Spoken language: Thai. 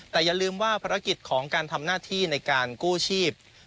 แต่อย่าลืมว่าภารกิจของการทำหน้าที่ในการกู้ชีพ